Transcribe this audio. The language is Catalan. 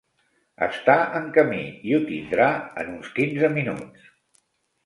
Està en camí i ho tindrà en uns quinze minuts.